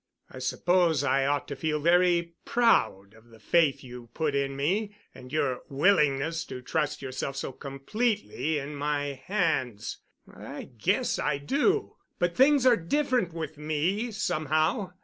I suppose I ought to feel very proud of the faith you put in me and your willingness to trust yourself so completely in my hands. I guess I do. But things are different with me somehow.